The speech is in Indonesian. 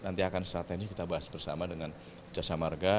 nanti akan strategis kita bahas bersama dengan jasa marga